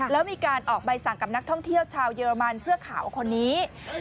แล้วมีการออกใบสั่งกับนักท่องเที่ยวชาวเยอรมันเสื้อขาวคนนี้